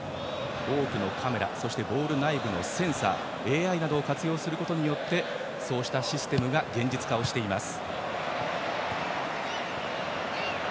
多くのカメラボール内部のセンサーＡＩなどを活用することによってそうしたシステムが現実化しています。